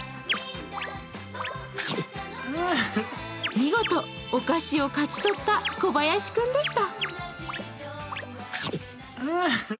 見事、お菓子を勝ち取った小林くんでした。